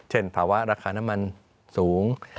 ภาวะราคาน้ำมันสูง